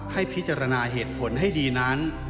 ให้พิจารณาเหตุผลให้ดีนั้น